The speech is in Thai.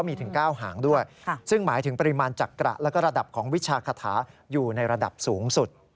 มีวิชาอาคุมหมายถึงว่าจิ้งจอกก้าวหาง